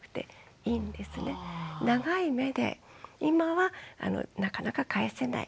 長い目で今はなかなか返せない。